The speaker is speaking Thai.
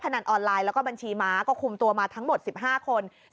นันออนไลน์แล้วก็บัญชีม้าก็คุมตัวมาทั้งหมด๑๕คน